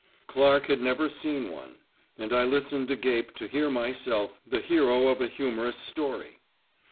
Clark had never seen one. And I listened agape to hear myself the hero of a humorous story.